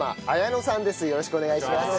よろしくお願いします。